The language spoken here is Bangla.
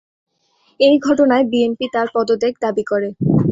এই ঘটনায় বিএনপি তার পদত্যাগ দাবী করে।